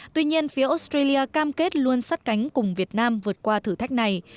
tuy nhiên phía australia cam kết luôn sắt cánh cùng việt nam vượt qua thử thách này